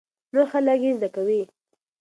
نور خلک يې زده کوي.